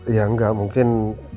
ya enggak mungkin